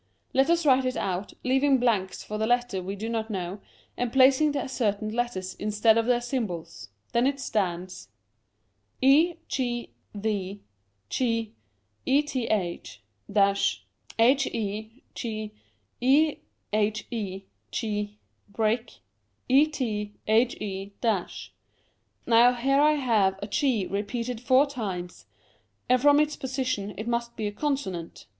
Let us write it out, leaving blanks for the letters we do not know, and placing the ascertained letters instead of their symbols. Then it stands — e;^he;^eth — hep^ehe;^ ethe —. Now here I have a ;^ repeated four times, and from its position it must be a consonant.